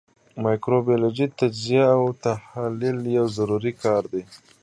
مایکروبیولوژیکي تجزیه او تحلیل یو ضروري کار دی.